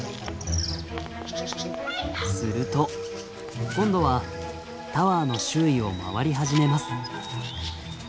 すると今度はタワーの周囲を回り始めます。